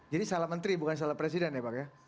jadi salah menteri bukan salah presiden ya pak ya